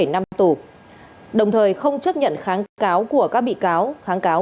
bảy năm tù đồng thời không chấp nhận kháng cáo của các bị cáo kháng cáo